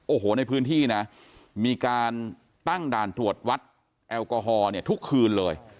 โอ้โหในพื้นที่นะมีการตั้งด่านตรวจวัดแอลกอฮอล์เนี่ยทุกคืนเลย